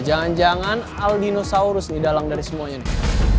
jangan jangan al dinosaurus nih dalang dari semuanya nih